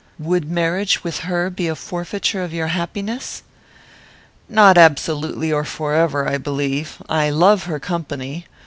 "Would marriage with her be a forfeiture of your happiness?" "Not absolutely or forever, I believe. I love her company.